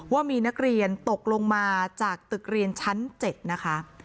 ว่ามีนักเรียนตกลงมาจากตึกเรียนชั้น๗นะคะ